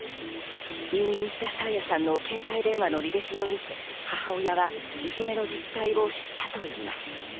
入院した爽彩さんの携帯電話の履歴を見て母親はいじめの実態を知ったといいます。